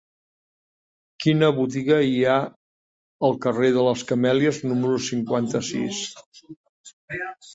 Quina botiga hi ha al carrer de les Camèlies número cinquanta-sis?